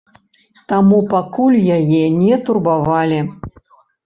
Таму пакуль яе не турбавалі.